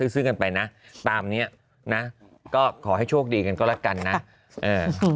ซื้อกันไปนะตามเนี้ยนะก็ขอให้โชคดีกันก็แล้วกันนะเออ